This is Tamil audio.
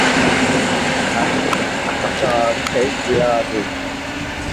நகரில் ஈ காக்கை இராது.